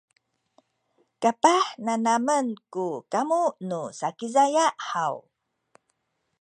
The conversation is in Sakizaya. kapah nanamen ku kamu nu Sakizaya haw?